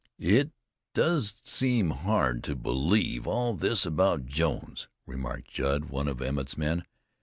"It does seem hard to believe all this about Jones," remarked Judd, one of Emmett's men.